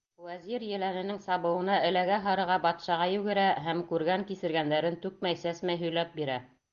Вәзир еләненең сабыуына эләгә-һарыға батшаға йүгерә һәм күргән-кисергәндәрен түкмәй-сәсмәй һөйләп бирә.